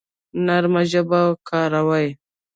نرمه ژبه کاروئ